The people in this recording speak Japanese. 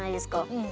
うん。